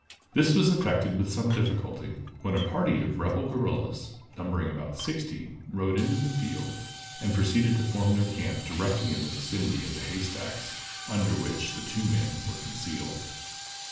This was effected with some difficulty, when a party of rebel guerrillas, numbering about sixty, rode into the field, and proceeded to form their camp directly in the vicinity of the hay stacks, under which the two men were concealed.